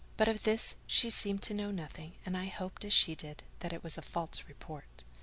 But of this she seemed to know nothing, and I hoped, as she did, that it was all a false report.